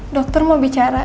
dokter mau bicara